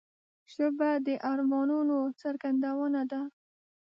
ژبه د ارمانونو څرګندونه ده